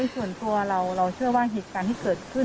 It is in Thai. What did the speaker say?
ส่วนตัวเราเชื่อว่าหิตการที่เกิดขึ้น